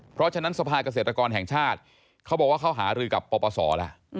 เพราะฉะนั้นสภาเกษตรกรแห่งชาติเขาบอกว่าเขาหารือกับปปศแล้ว